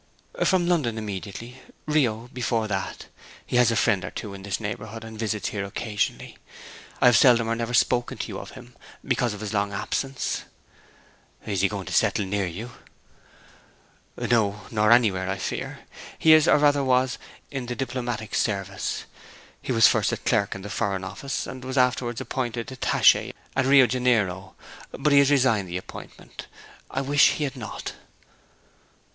'From London, immediately. Rio before that. He has a friend or two in this neighbourhood, and visits here occasionally. I have seldom or never spoken to you of him, because of his long absence.' 'Is he going to settle near you?' 'No, nor anywhere, I fear. He is, or rather was, in the diplomatic service. He was first a clerk in the Foreign Office, and was afterwards appointed attaché at Rio Janeiro. But he has resigned the appointment. I wish he had not.'